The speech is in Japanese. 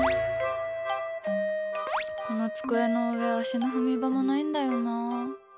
この机の上足の踏み場もないんだよな。